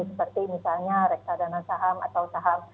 seperti misalnya reksadana saham atau saham